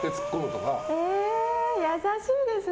優しいですね。